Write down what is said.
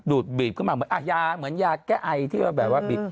ดูดบีบขึ้นมาเหมือนอะยาเหมือนยาแก้ไอที่ที่อ่